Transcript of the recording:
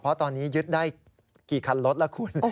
เพราะตอนนี้ยึดได้กี่คันรถแล้วคุณ